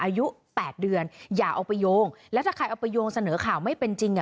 อายุ๘เดือนอย่าเอาไปโยงแล้วถ้าใครเอาไปโยงเสนอข่าวไม่เป็นจริงอ่ะ